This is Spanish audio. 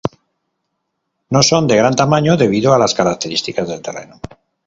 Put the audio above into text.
No son de gran tamaño debido a las características el terreno.